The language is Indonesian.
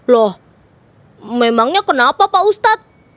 loh memangnya kenapa pak ustadz